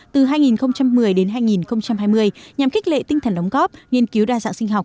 từ hai nghìn một mươi đến hai nghìn hai mươi nhằm khích lệ tinh thần đóng góp nghiên cứu đa dạng sinh học